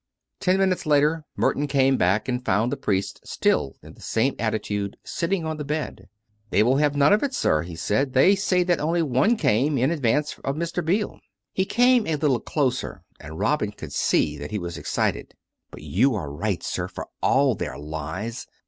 Ten minutes later Merton came back and found the priest still in the same attitude, sitting on the bed. " They will have none of it, sir," he said. " They say that one only came, in advance of Mr. Beale." He came a little closer, and Robin could see that he was excited. i " But you are right, sir, for all their lies.